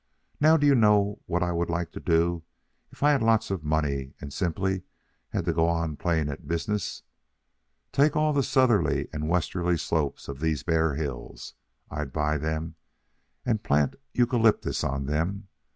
"Now do you know what I would do if I had lots of money and simply had to go on playing at business? Take all the southerly and westerly slopes of these bare hills. I'd buy them in and plant eucalyptus on them.